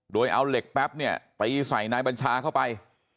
โดยเอาเหล็กแป๊บเนี่ยไปใส่นายบัญชาเข้าไป